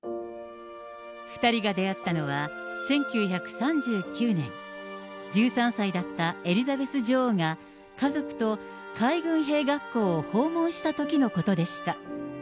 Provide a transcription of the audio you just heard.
２人が出会ったのは１９３９年、１３歳だったエリザベス女王が、家族と海軍兵学校を訪問したときのことでした。